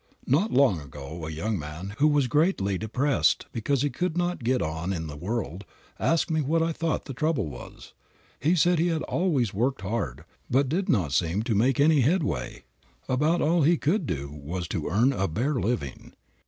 Not long ago a young man who was greatly depressed because he could not get on in the world, asked me what I thought the trouble was. He said he had always worked hard, but did not seem to make any headway. About all he could do was to earn a bare living.